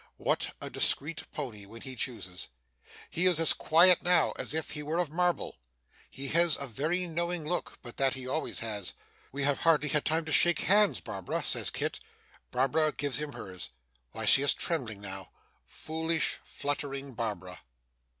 What a discreet pony when he chooses! He is as quiet now as if he were of marble. He has a very knowing look, but that he always has. 'We have hardly had time to shake hands, Barbara,' says Kit. Barbara gives him hers. Why, she is trembling now! Foolish, fluttering Barbara!